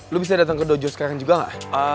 lu bisa datang ke dojo sekarang juga gak